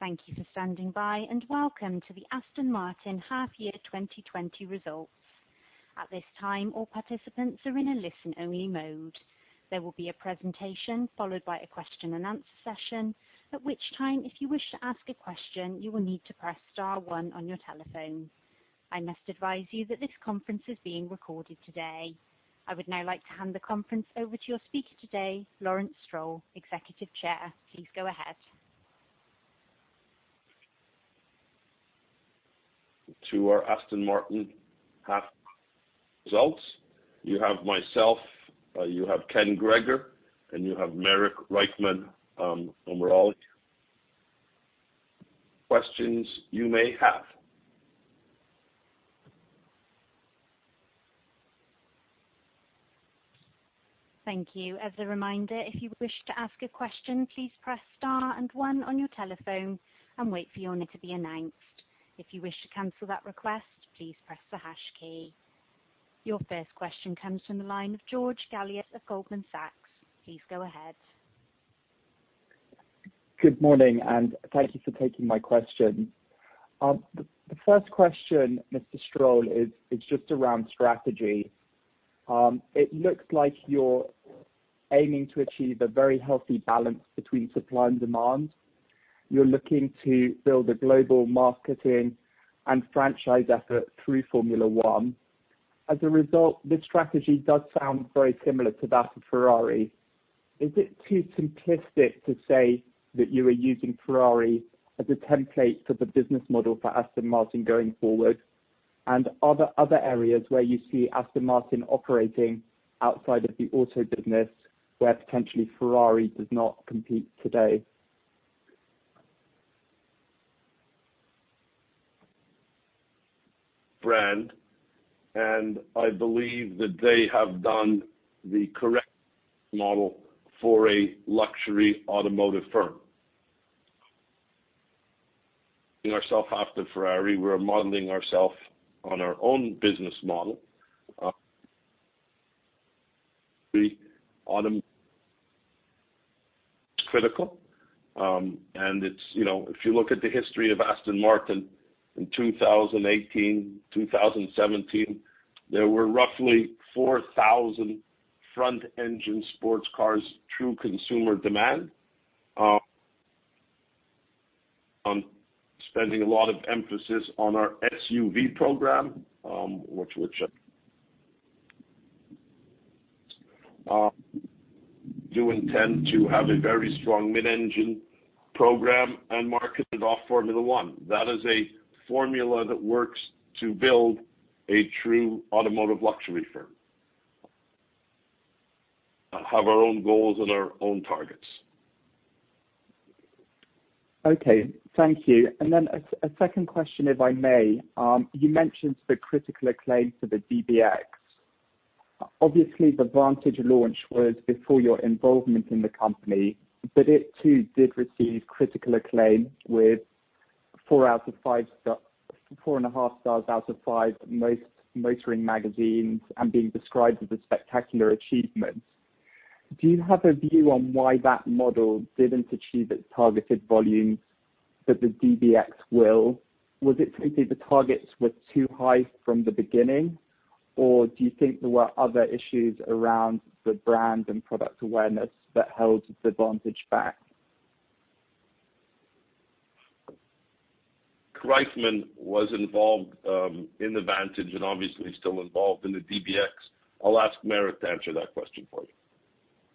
Thank you for standing by, and welcome to the Aston Martin Half-Year 2020 results. At this time, all participants are in a listen-only mode. There will be a presentation followed by a question-and-answer session, at which time, if you wish to ask a question, you will need to press star one on your telephone. I must advise you that this conference is being recorded today. I would now like to hand the conference over to your speaker today, Lawrence Stroll, Executive Chair. Please go ahead. To our Aston Martin half-year results, you have myself, you have Ken Gregor, and you have Marek Reichman, and we're all here. Questions you may have. Thank you. As a reminder, if you wish to ask a question, please press star and one on your telephone and wait for your name to be announced. If you wish to cancel that request, please press the hash key. Your first question comes from the line of George Galliot of Goldman Sachs. Please go ahead. Good morning, and thank you for taking my question. The first question, Mr. Stroll, is just around strategy. It looks like you're aiming to achieve a very healthy balance between supply and demand. You're looking to build a global marketing and franchise effort through Formula One. As a result, this strategy does sound very similar to that of Ferrari. Is it too simplistic to say that you are using Ferrari as a template for the business model for Aston Martin going forward? Are there other areas where you see Aston Martin operating outside of the auto business where potentially Ferrari does not compete today? Brand, and I believe that they have done the correct model for a luxury automotive firm. We're modeling ourself after Ferrari. We're modeling ourself on our own business model. We're auto critical, and it's, you know, if you look at the history of Aston Martin in 2018, 2017, there were roughly 4,000 front-engine sports cars through consumer demand. Spending a lot of emphasis on our SUV program, which, which, do intend to have a very strong mid-engine program and market it off Formula One. That is a formula that works to build a true automotive luxury firm. Have our own goals and our own targets. Okay. Thank you. As a second question, if I may. You mentioned the critical acclaim for the DBX. Obviously, the Vantage launch was before your involvement in the company, but it too did receive critical acclaim with four out of five stars, four and a half stars out of five in most motoring magazines and being described as a spectacular achievement. Do you have a view on why that model did not achieve its targeted volumes that the DBX will? Was it simply the targets were too high from the beginning, or do you think there were other issues around the brand and product awareness that held the Vantage back? Reichman was involved in the Vantage and obviously still involved in the DBX. I'll ask Marek to answer that question for you.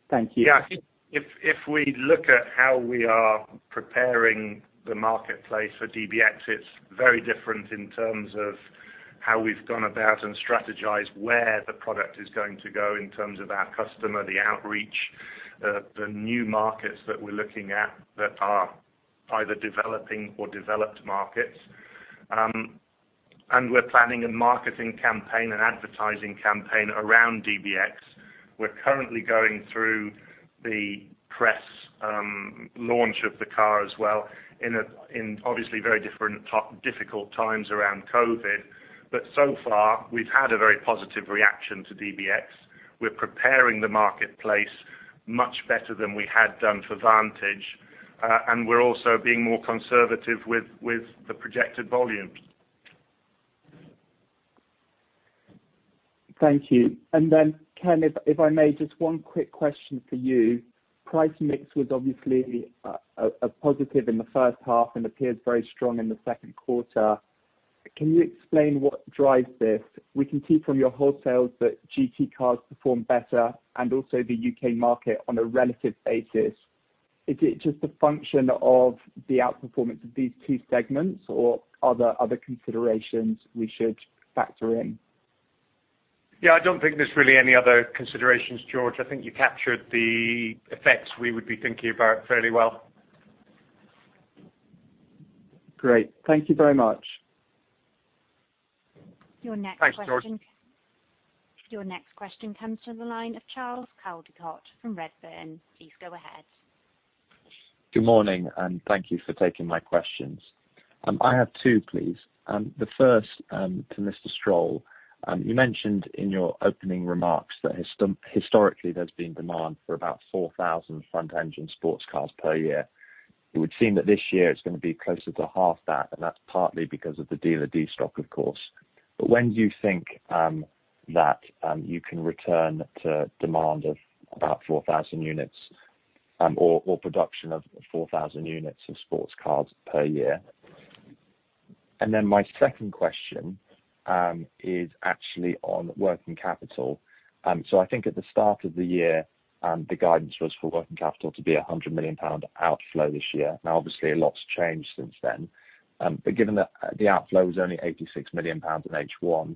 Thank you. Yeah. If we look at how we are preparing the marketplace for DBX, it's very different in terms of how we've gone about and strategized where the product is going to go in terms of our customer, the outreach, the new markets that we're looking at that are either developing or developed markets. We are planning a marketing campaign, an advertising campaign around DBX. We're currently going through the press, launch of the car as well in obviously very different to difficult times around COVID. So far, we've had a very positive reaction to DBX. We're preparing the marketplace much better than we had done for Vantage. We are also being more conservative with the projected volumes. Thank you. Ken, if I may, just one quick question for you. Price mix was obviously a positive in the first half and appears very strong in the second quarter. Can you explain what drives this? We can see from your wholesale that GT cars perform better and also the U.K. market on a relative basis. Is it just a function of the outperformance of these two segments, or are there other considerations we should factor in? Yeah. I do not think there is really any other considerations, George. I think you captured the effects we would be thinking about fairly well. Great. Thank you very much. Your next question. Thanks, George. Your next question comes from the line of Charles Coldicott from Redburn. Please go ahead. Good morning, and thank you for taking my questions. I have two, please. The first, to Mr. Stroll. You mentioned in your opening remarks that historically there's been demand for about 4,000 front-engine sports cars per year. It would seem that this year it's gonna be closer to half that, and that's partly because of the dealer de-stock, of course. When do you think that you can return to demand of about 4,000 units, or production of 4,000 units of sports cars per year? My second question is actually on working capital. I think at the start of the year, the guidance was for working capital to be a 100 million pound outflow this year. Now, obviously, a lot's changed since then. Given that the outflow was only 86 million pounds in H1,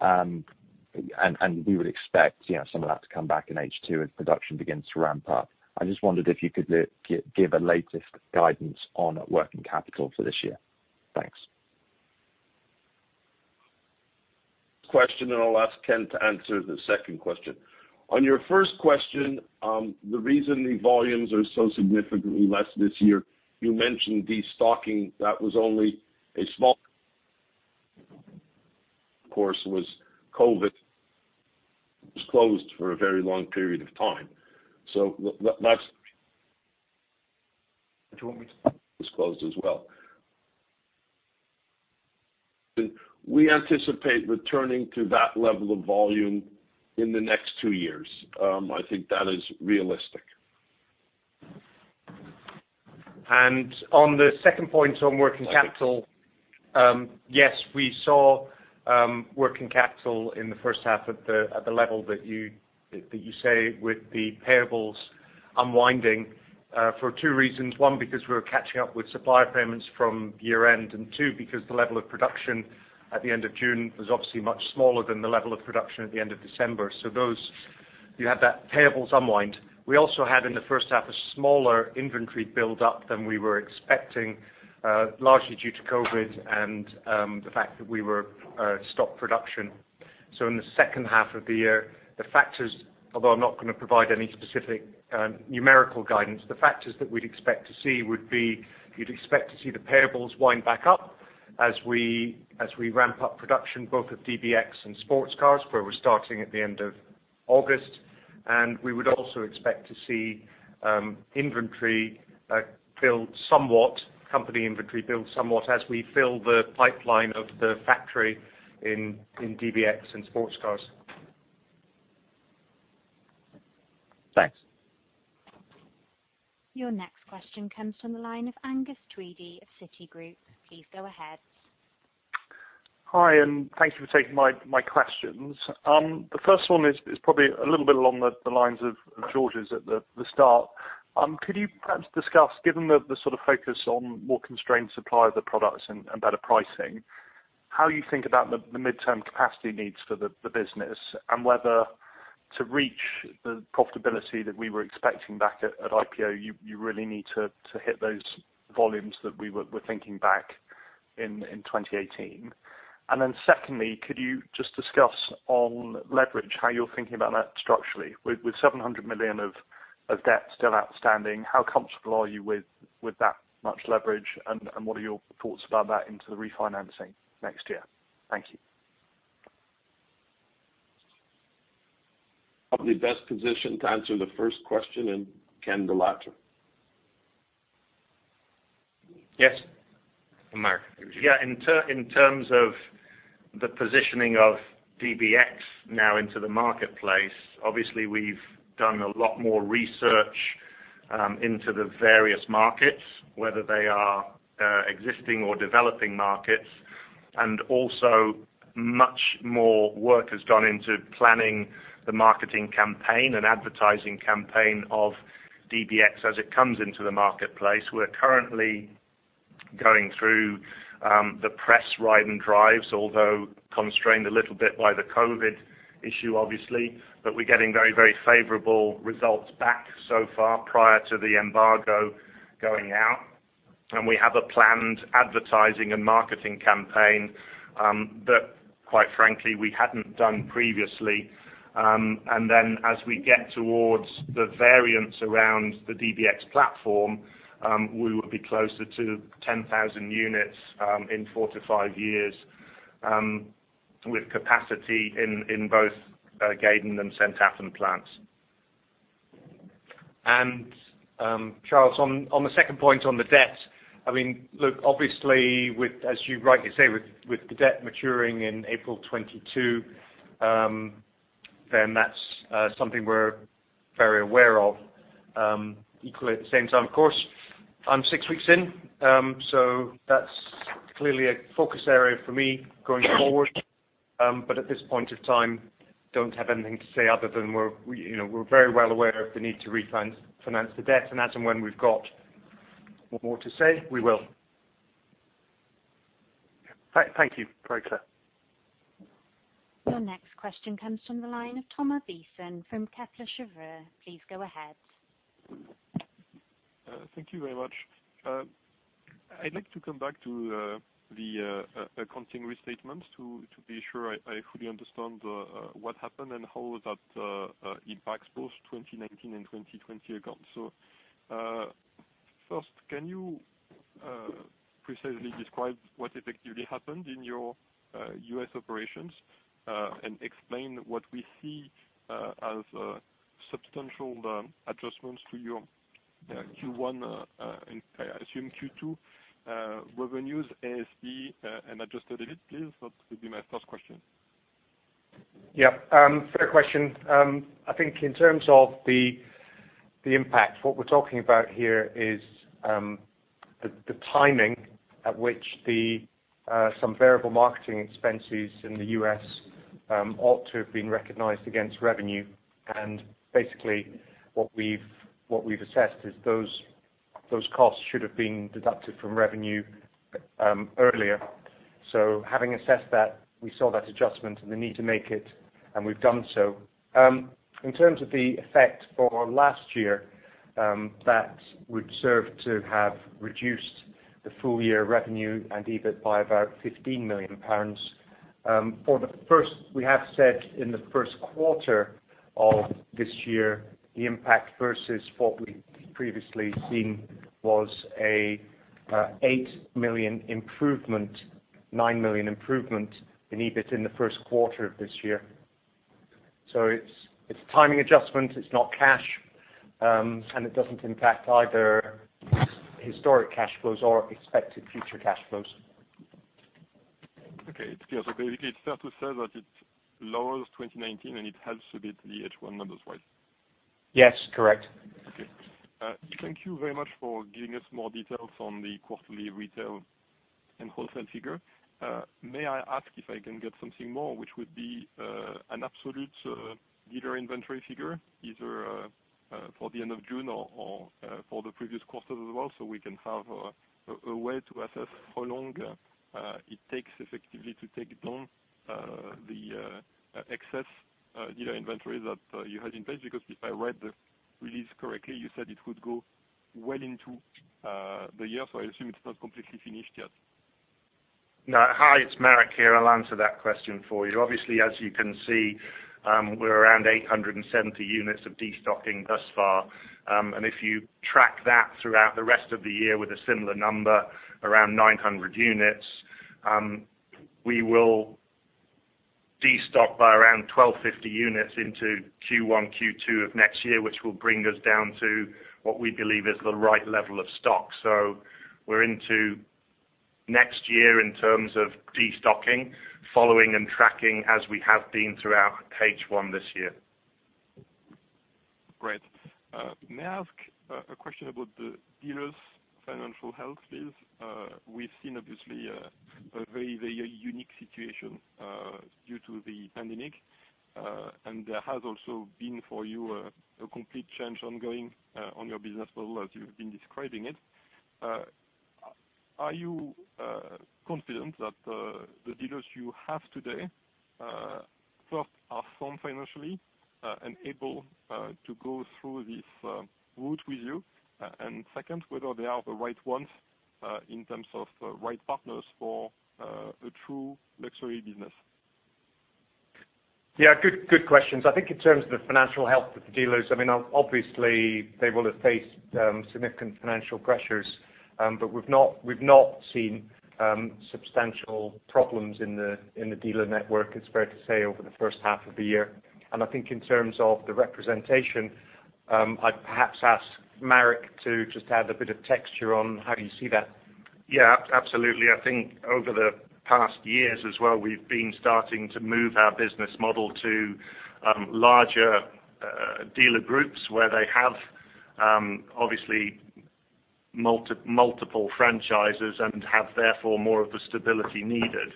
and we would expect, you know, some of that to come back in H2 as production begins to ramp up. I just wondered if you could give a latest guidance on working capital for this year. Thanks. Question, and I'll ask Ken to answer the second question. On your first question, the reason the volumes are so significantly less this year, you mentioned de-stocking. That was only a small, of course, was COVID was closed for a very long period of time. That's. Do you want me to? Was closed as well. We anticipate returning to that level of volume in the next two years. I think that is realistic. On the second point on working capital. Okay. Yes, we saw working capital in the first half at the level that you say with the payables unwinding, for two reasons. One, because we were catching up with supplier payments from year-end, and two, because the level of production at the end of June was obviously much smaller than the level of production at the end of December. You had that payables unwind. We also had in the first half a smaller inventory build-up than we were expecting, largely due to COVID and the fact that we were stopped production. In the second half of the year, the factors, although I'm not gonna provide any specific numerical guidance, the factors that we'd expect to see would be you'd expect to see the payables wind back up as we ramp up production, both of DBX and sports cars, where we're starting at the end of August. We would also expect to see inventory build somewhat, company inventory build somewhat as we fill the pipeline of the factory in DBX and sports cars. Thanks. Your next question comes from the line of Angus Tweedie of Citigroup. Please go ahead. Hi, and thank you for taking my questions. The first one is probably a little bit along the lines of George's at the start. Could you perhaps discuss, given the sort of focus on more constrained supply of the products and better pricing, how you think about the midterm capacity needs for the business and whether to reach the profitability that we were expecting back at IPO, you really need to hit those volumes that we were thinking back in 2018? Secondly, could you just discuss on leverage how you're thinking about that structurally? With 700 million of debt still outstanding, how comfortable are you with that much leverage, and what are your thoughts about that into the refinancing next year? Thank you. Probably best positioned to answer the first question and Ken the latter. Yes. And Marek. Yeah. In terms of the positioning of DBX now into the marketplace, obviously, we've done a lot more research into the various markets, whether they are existing or developing markets. Also, much more work has gone into planning the marketing campaign and advertising campaign of DBX as it comes into the marketplace. We're currently going through the press ride and drives, although constrained a little bit by the COVID issue, obviously. We're getting very, very favorable results back so far prior to the embargo going out. We have a planned advertising and marketing campaign that, quite frankly, we hadn't done previously. As we get towards the variants around the DBX platform, we would be closer to 10,000 units in four to five years, with capacity in both Gaydon and St Athan plants. Charles, on the second point on the debt, I mean, look, obviously, as you rightly say, with the debt maturing in April 2022, that is something we're very aware of. Equally, at the same time, of course, I'm six weeks in, so that is clearly a focus area for me going forward. At this point of time, I do not have anything to say other than we're, you know, we're very well aware of the need to refinance the debt. As and when we've got more to say. We will. Thank you. Very clear. Your next question comes from the line of Thomas Besson from Kepler Cheuvreux. Please go ahead. Thank you very much. I'd like to come back to the accounting restatements to be sure I fully understand what happened and how that impacts both 2019 and 2020 accounts. First, can you precisely describe what effectively happened in your U.S. operations, and explain what we see as substantial adjustments to your Q1, and I assume Q2, revenues, ASP, and adjusted EBIT, please? That would be my first question. Yeah. Fair question. I think in terms of the impact, what we're talking about here is the timing at which some variable marketing expenses in the U.S. ought to have been recognized against revenue. Basically, what we've assessed is those costs should have been deducted from revenue earlier. Having assessed that, we saw that adjustment and the need to make it, and we've done so. In terms of the effect for last year, that would serve to have reduced the full-year revenue and EBIT by about 15 million pounds. For the first, we have said in the first quarter of this year, the impact versus what we previously seen was a 8 million improvement, 9 million improvement in EBIT in the first quarter of this year. It's a timing adjustment. It's not cash, and it doesn't impact either historic cash flows or expected future cash flows. Okay. It feels okay. It's fair to say that it lowers 2019, and it helps a bit the H1 numbers-wise. Yes. Correct. Okay. Thank you very much for giving us more details on the quarterly retail and wholesale figure. May I ask if I can get something more, which would be an absolute dealer inventory figure, either for the end of June or for the previous quarter as well, so we can have a way to assess how long it takes effectively to take down the excess dealer inventory that you had in place? Because if I read the release correctly, you said it would go well into the year, so I assume it's not completely finished yet. No. Hi, it's Marek here. I'll answer that question for you. Obviously, as you can see, we're around 870 units of de-stocking thus far. If you track that throughout the rest of the year with a similar number, around 900 units, we will de-stock by around 1,250 units into Q1, Q2 of next year, which will bring us down to what we believe is the right level of stock. We are into next year in terms of de-stocking, following and tracking as we have been throughout H1 this year. Great. May I ask a question about the dealers' financial health, please? We've seen, obviously, a very, very unique situation due to the pandemic. There has also been for you a complete change ongoing on your business model as you've been describing it. Are you confident that the dealers you have today, first, are firm financially and able to go through this route with you? And second, whether they are the right ones in terms of right partners for a true luxury business? Yeah. Good, good questions. I think in terms of the financial health of the dealers, I mean, obviously, they will have faced significant financial pressures. I mean, we've not seen substantial problems in the dealer network, it's fair to say, over the first half of the year. I think in terms of the representation, I'd perhaps ask Marek to just add a bit of texture on how you see that. Yeah. Absolutely. I think over the past years as well, we've been starting to move our business model to larger dealer groups where they have, obviously, multiple franchises and have therefore more of the stability needed.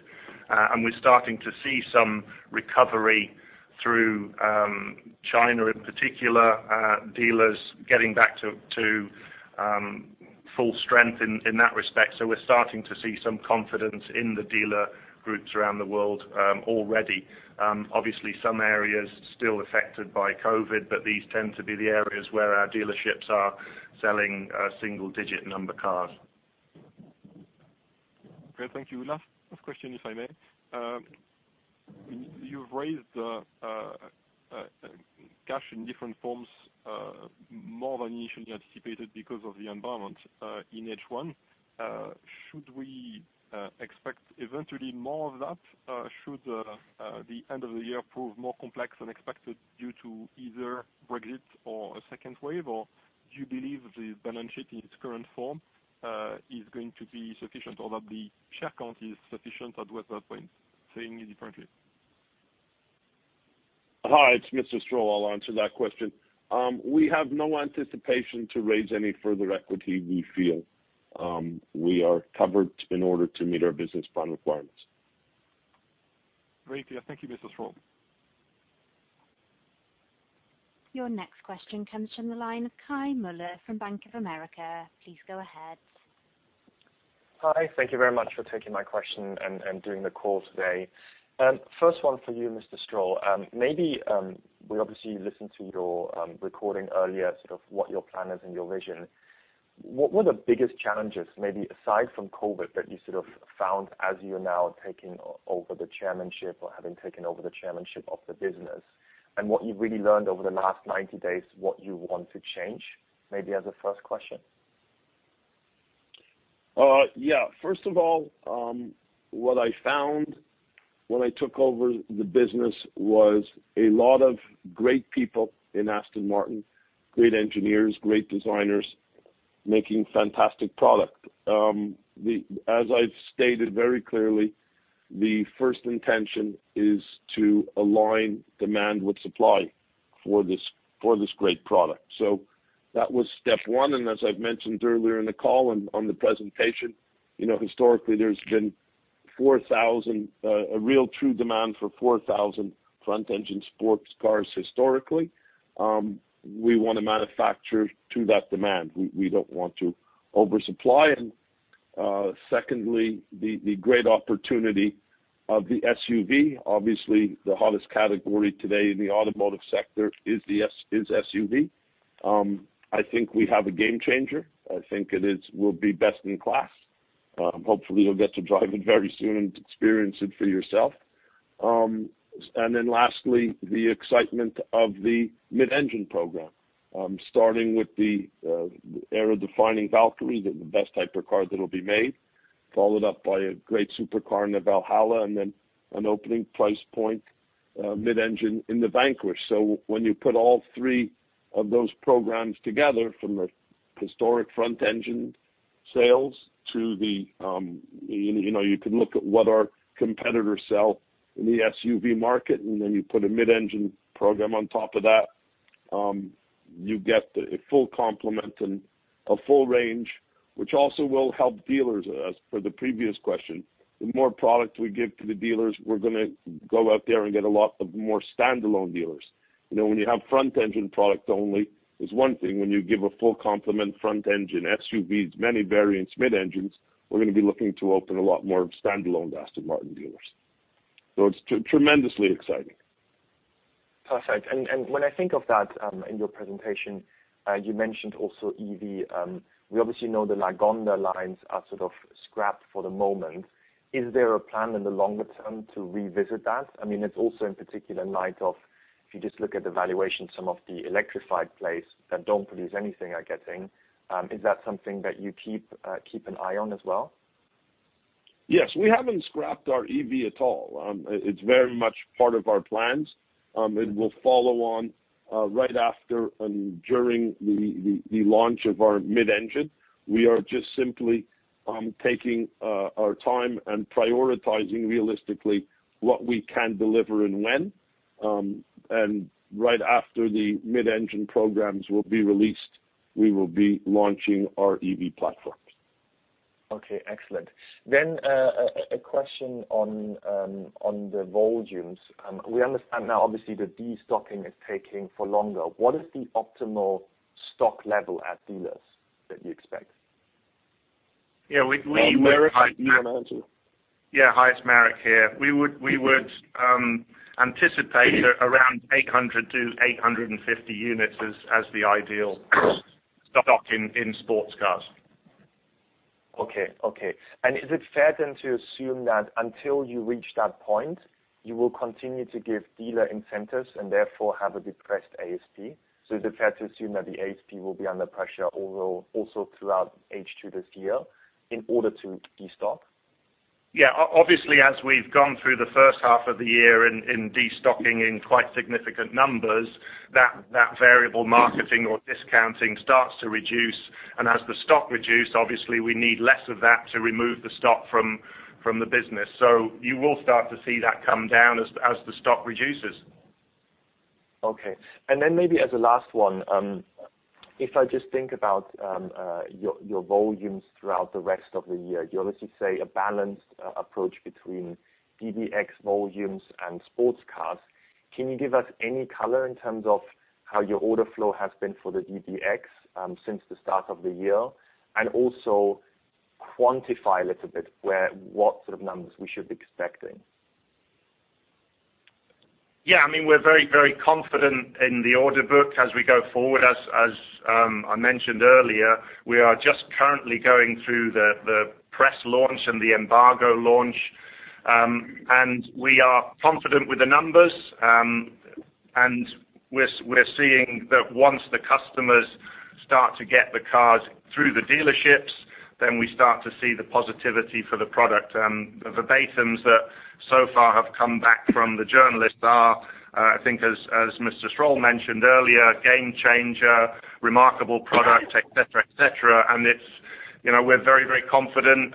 We're starting to see some recovery through China in particular, dealers getting back to full strength in that respect. We're starting to see some confidence in the dealer groups around the world, already. Obviously, some areas still affected by COVID, but these tend to be the areas where our dealerships are selling single-digit number cars. Great. Thank you, Olaf. Last question, if I may. You've raised cash in different forms, more than initially anticipated because of the environment, in H1. Should we expect eventually more of that, should the end of the year prove more complex than expected due to either Brexit or a second wave? Or do you believe the balance sheet in its current form is going to be sufficient, or that the share count is sufficient at what point? Saying it differently. Hi, it's Mr. Stroll. I'll answer that question. We have no anticipation to raise any further equity. We feel we are covered in order to meet our business plan requirements. Great. Yeah. Thank you, Mr. Stroll. Your next question comes from the line of Kai Mueller from Bank of America. Please go ahead. Hi. Thank you very much for taking my question and doing the call today. First one for you, Mr. Stroll. Maybe, we obviously listened to your recording earlier, sort of what your plan is and your vision. What were the biggest challenges, maybe aside from COVID, that you sort of found as you're now taking over the chairmanship or having taken over the chairmanship of the business, and what you've really learned over the last 90 days, what you want to change? Maybe as a first question. Yeah. First of all, what I found when I took over the business was a lot of great people in Aston Martin, great engineers, great designers making fantastic product. As I've stated very clearly, the first intention is to align demand with supply for this, for this great product. That was step one. As I've mentioned earlier in the call and on the presentation, you know, historically, there's been 4,000, a real true demand for 4,000 front-engine sports cars historically. We want to manufacture to that demand. We don't want to oversupply. Secondly, the great opportunity of the SUV. Obviously, the hottest category today in the automotive sector is the SUV. I think we have a game changer. I think it will be best in class. Hopefully, you'll get to drive it very soon and experience it for yourself. And then lastly, the excitement of the mid-engine program, starting with the era-defining Valkyrie, the best hypercar that'll be made, followed up by a great supercar in the Valhalla, and then an opening price point, mid-engine in the Vanquish. When you put all three of those programs together, from the historic front-engine sales to the, you know, you can look at what our competitors sell in the SUV market, and then you put a mid-engine program on top of that, you get a full complement and a full range, which also will help dealers. As for the previous question, the more product we give to the dealers, we're going to go out there and get a lot of more standalone dealers. You know, when you have front-engine product only is one thing. When you give a full complement front-engine SUVs, many variants, mid-engines, we are going to be looking to open a lot more of standalone Aston Martin dealers. It is tremendously exciting. Perfect. When I think of that, in your presentation, you mentioned also EV. We obviously know the Lagonda lines are sort of scrapped for the moment. Is there a plan in the longer term to revisit that? I mean, it is also in particular light of, if you just look at the valuation, some of the electrified plays that do not produce anything are getting. Is that something that you keep an eye on as well? Yes. We haven't scrapped our EV at all. It's very much part of our plans. It will follow on, right after and during the, the launch of our mid-engine. We are just simply taking our time and prioritizing realistically what we can deliver and when. Right after the mid-engine programs will be released, we will be launching our EV platforms. Okay. Excellent. A question on the volumes. We understand now, obviously, that de-stocking is taking for longer. What is the optimal stock level at dealers that you expect? Yeah. Yeah. Hi, it's Marek here. We would anticipate around 800-850 units as the ideal stock in sports cars. Okay. Okay. Is it fair then to assume that until you reach that point, you will continue to give dealer incentives and therefore have a depressed ASP? Is it fair to assume that the ASP will be under pressure also throughout H2 this year in order to de-stock? Obviously, as we've gone through the first half of the year in de-stocking in quite significant numbers, that variable marketing or discounting starts to reduce. As the stock reduced, obviously, we need less of that to remove the stock from the business. You will start to see that come down as the stock reduces. Okay. And then maybe as a last one, if I just think about your volumes throughout the rest of the year, you obviously say a balanced approach between DBX volumes and sports cars. Can you give us any color in terms of how your order flow has been for the DBX since the start of the year? And also quantify a little bit where what sort of numbers we should be expecting. Yeah. I mean, we're very, very confident in the order book as we go forward. As I mentioned earlier, we are just currently going through the press launch and the embargo launch. We are confident with the numbers. We're seeing that once the customers start to get the cars through the dealerships, then we start to see the positivity for the product. The verbatims that so far have come back from the journalists are, I think as Mr. Stroll mentioned earlier, game changer, remarkable product, etc., etc. It's, you know, we're very, very confident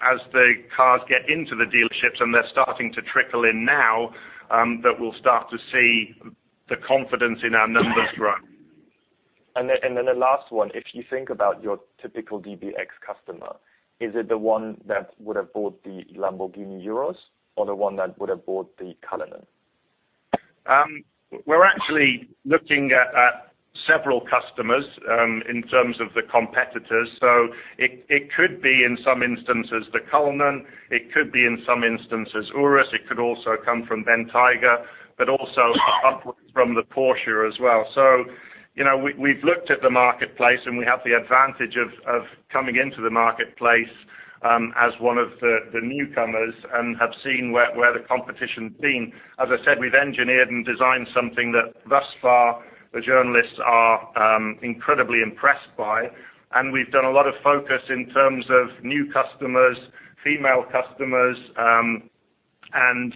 as the cars get into the dealerships and they're starting to trickle in now, that we'll start to see the confidence in our numbers grow. Then the last one, if you think about your typical DBX customer, is it the one that would have bought the Lamborghini Urus or the one that would have bought the Cullinan? We're actually looking at several customers, in terms of the competitors. It could be in some instances the Cullinan. It could be in some instances Urus. It could also come from Bentayga, but also upwards from the Porsche as well. You know, we've looked at the marketplace and we have the advantage of coming into the marketplace as one of the newcomers and have seen where the competition's been. As I said, we've engineered and designed something that thus far the journalists are incredibly impressed by. We've done a lot of focus in terms of new customers, female customers, and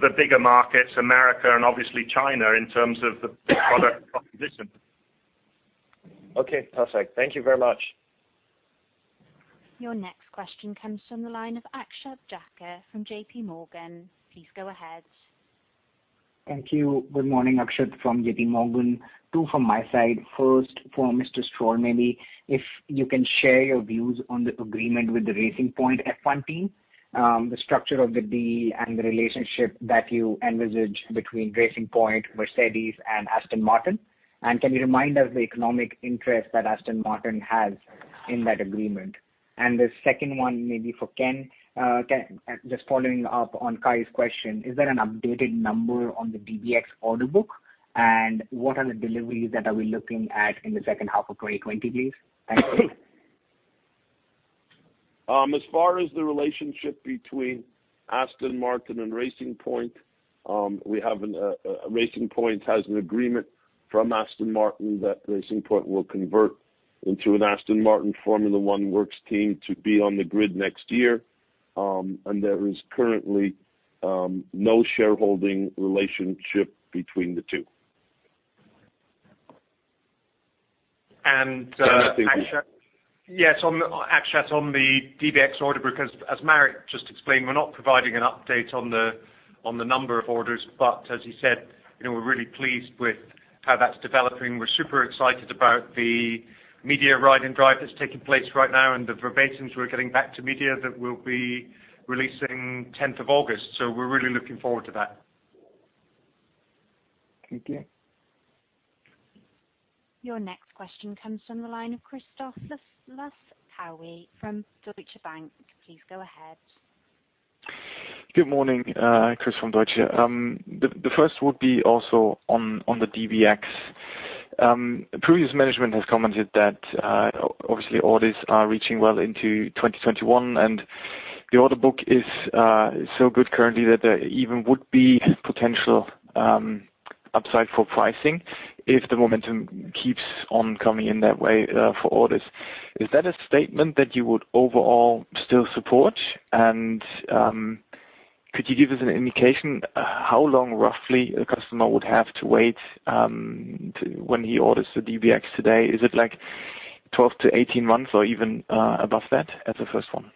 the bigger markets, America and obviously China in terms of the product proposition. Okay. Perfect. Thank you very much. Your next question comes from the line of Aksheth Jacquard from JPMorgan. Please go ahead. Thank you. Good morning, Aksheth from JPMorgan. Two from my side. First, for Mr. Stroll, maybe if you can share your views on the agreement with the Racing Point F1 team, the structure of the deal and the relationship that you envisage between Racing Point, Mercedes, and Aston Martin. Can you remind us the economic interest that Aston Martin has in that agreement? The second one, maybe for Ken, Ken, just following up on Kai's question, is there an updated number on the DBX order book? What are the deliveries that are we looking at in the second half of 2020, please? Thank you. As far as the relationship between Aston Martin and Racing Point, we have an, Racing Point has an agreement from Aston Martin that Racing Point will convert into an Aston Martin Formula One works team to be on the grid next year. There is currently no shareholding relationship between the two. And, I think. Aksheth. Yeah. On the DBX order book, as Marek just explained, we're not providing an update on the number of orders. As he said, you know, we're really pleased with how that's developing. We're super excited about the media ride and drive that's taking place right now and the verbatims we're getting back to media that we'll be releasing 10th of August. We're really looking forward to that. Thank you. Your next question comes from the line of Christoph [Lafferty] Cowie from Deutsche Bank. Please go ahead. Good morning. Christoph from Deutsche. The first would be also on the DBX. Previous management has commented that, obviously, orders are reaching well into 2021, and the order book is so good currently that there even would be potential upside for pricing if the momentum keeps on coming in that way for orders. Is that a statement that you would overall still support? Could you give us an indication how long roughly a customer would have to wait to when he orders the DBX today? Is it like 12 to 18 months or even above that as a first one?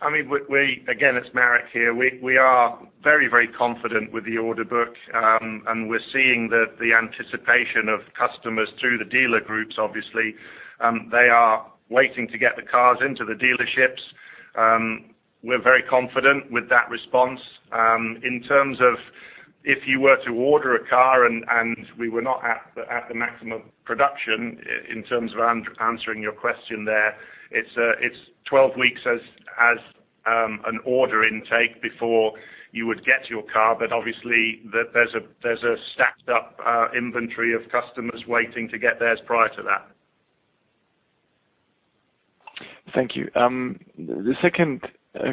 I mean, we, we again, it's Marek here. We are very, very confident with the order book. We are seeing that the anticipation of customers through the dealer groups, obviously, they are waiting to get the cars into the dealerships. We are very confident with that response. In terms of if you were to order a car and we were not at the maximum production, in terms of answering your question there, it's 12 weeks as an order intake before you would get your car. Obviously, there's a stacked up inventory of customers waiting to get theirs prior to that. Thank you. The second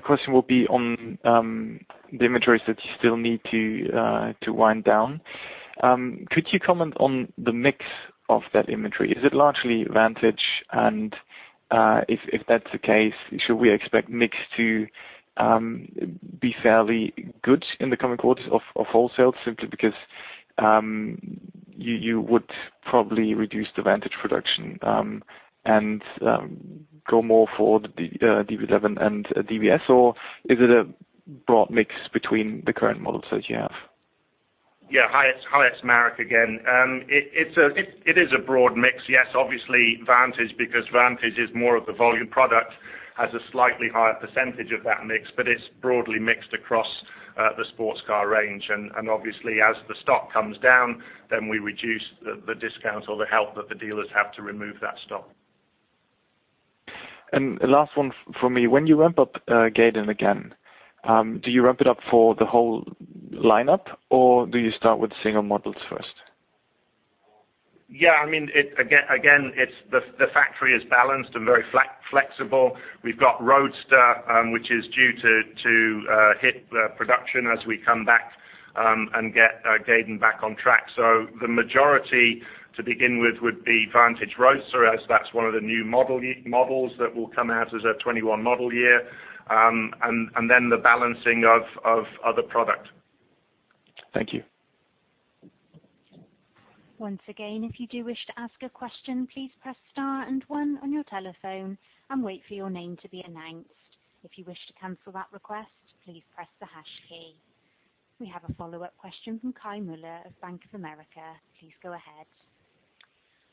question will be on the inventories that you still need to wind down. Could you comment on the mix of that inventory? Is it largely Vantage? If that's the case, should we expect mix to be fairly good in the coming quarters of wholesale simply because you would probably reduce the Vantage production and go more for the DB11 and DBS? Or is it a broad mix between the current models that you have? Yeah. Hi, it's Mareck again. It is a broad mix. Yes. Obviously, Vantage, because Vantage is more of the volume product, has a slightly higher percentage of that mix, but it's broadly mixed across the sports car range. Obviously, as the stock comes down, then we reduce the discount or the help that the dealers have to remove that stock. The last one from me. When you ramp up, Gaydon again, do you ramp it up for the whole lineup or do you start with single models first? Yeah. I mean, again, the factory is balanced and very flexible. We've got Roadster, which is due to hit production as we come back and get Gaydon back on track. The majority to begin with would be Vantage Roadster as that's one of the new model year models that will come out as a 2021 model year, and then the balancing of other product. Thank you. Once again, if you do wish to ask a question, please press star and one on your telephone and wait for your name to be announced. If you wish to cancel that request, please press the hash key. We have a follow-up question from Kai Mueller of Bank of America. Please go ahead.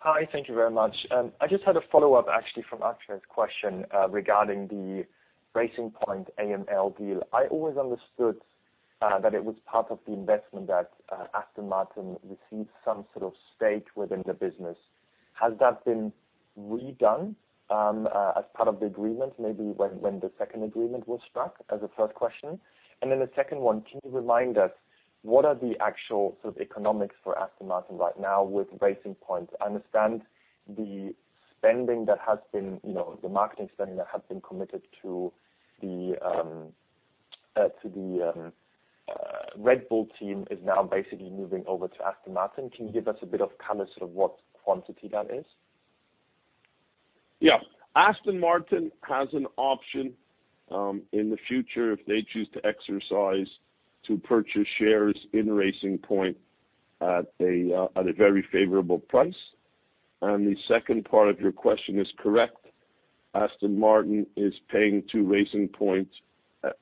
Hi. Thank you very much. I just had a follow-up actually from Aksheth's question, regarding the Racing Point AML deal. I always understood that it was part of the investment that Aston Martin received some sort of stake within the business. Has that been redone as part of the agreement maybe when the second agreement was struck as a first question? The second one, can you remind us what are the actual sort of economics for Aston Martin right now with Racing Point? I understand the spending that has been, you know, the marketing spending that had been committed to the Red Bull team is now basically moving over to Aston Martin. Can you give us a bit of color sort of what quantity that is? Yeah. Aston Martin has an option, in the future if they choose to exercise, to purchase shares in Racing Point at a very favorable price. The second part of your question is correct. Aston Martin is paying to Racing Point,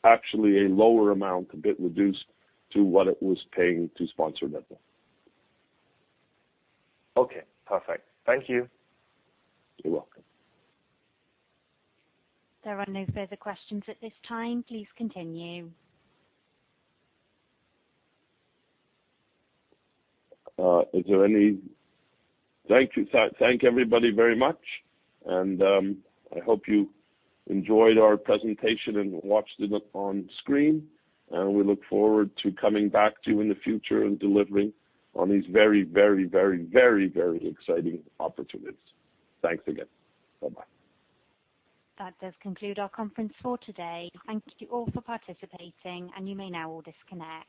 actually a lower amount, a bit reduced to what it was paying to sponsor Red Bull. Okay. Perfect. Thank you. You're welcome. There are no further questions at this time. Please continue. Is there any? Thank you. Thank everybody very much. I hope you enjoyed our presentation and watched it on screen. We look forward to coming back to you in the future and delivering on these very, very, very, very, very exciting opportunities. Thanks again. Bye-bye. That does conclude our conference for today. Thank you all for participating, and you may now all disconnect.